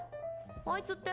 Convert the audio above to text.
あいつって？